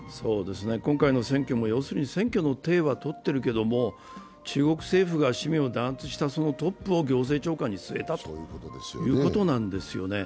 今回の選挙も、要するに選挙の体は取っているけれども、中国政府が市民を弾圧したそのトップを行政長官に据えたということなんですよね。